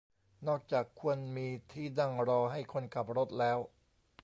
นอกจากควรมีที่นั่งรอให้คนขับรถแล้ว